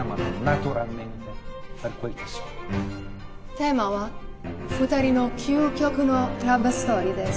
テーマは２人の究極のラブストーリーです。